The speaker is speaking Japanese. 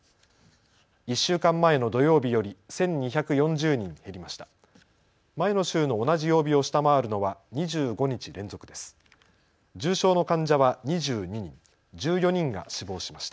１週間前の土曜日より１２４０人減りました。